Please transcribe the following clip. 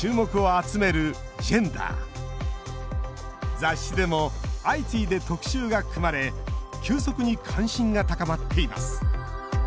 雑誌でも相次いで特集が組まれ急速に関心が高まっています。